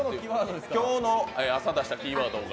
今日の朝出したキーワードが？